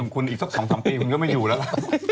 คุณอีกสัก๒๓ปีคุณก็ไม่อยู่แล้วล่ะ